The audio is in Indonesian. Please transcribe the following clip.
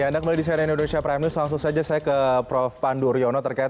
ya anda kembali di cnn indonesia prime news langsung saja saya ke prof pandu riono terkait